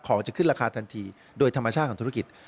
จะขึ้นราคาทันทีโดยธรรมชาติของธุรกิจ